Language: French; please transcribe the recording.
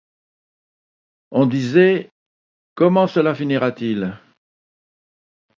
On disait : Comment cela finira-t-il ?